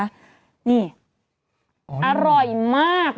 มะม่วงสุกก็มีเหมือนกันมะม่วงสุกก็มีเหมือนกัน